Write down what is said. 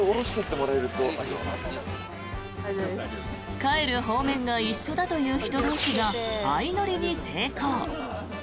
帰る方面が一緒だという人同士が相乗りに成功。